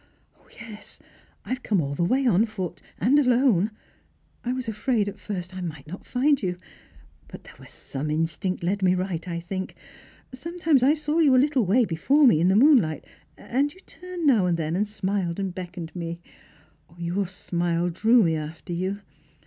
" Yes ; I have come all the way on toot, and alone. I was afraid at first that I might not find you ; but there was some instinct led me right, I think. Sometimes I saw you a little way before me in the moonlight, and you turned, "ow and then. Strangers and Filgrms. 835 and smiled and beckoned to me. Your smile drew me after you.